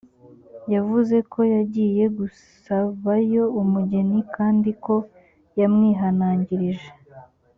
yavuze ko yagiye gusabayo umugeni kandi ko yamwihanangirije